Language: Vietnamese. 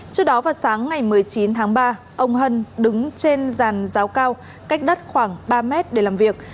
trước đó vào sáng ngày một mươi chín tháng ba ông hân đứng trên giàn giáo cao cách đất khoảng ba mét để làm việc